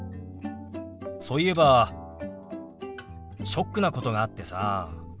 そういえばショックなことがあってさ。